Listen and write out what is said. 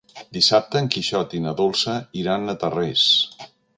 Dissabte en Quixot i na Dolça iran a Tarrés.